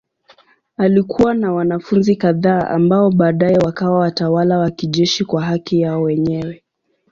Alikuwa na wanafunzi kadhaa ambao baadaye wakawa watawala wa kijeshi kwa haki yao wenyewe.